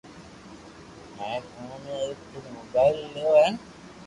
ھين اومون ۾ ايڪ دن موبائل ليدو ھين